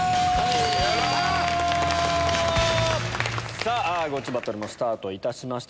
さぁゴチバトルもスタートいたしました。